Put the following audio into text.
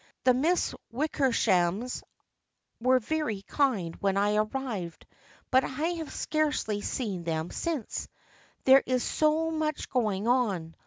The Miss Wickershams were very kind when I arrived, but I have scarcely seen them since, there is so much going on.